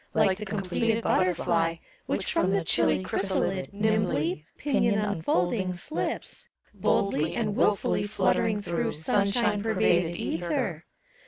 Like the completed butterfly. Which from the chilly chrysalid Nimbly, pinion unfolding, slips, Boldly and wilfully fluttering through Sunshine pervaded ether.